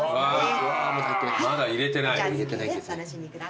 まだ入れてない。